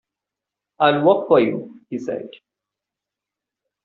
"I'll work for you," he said.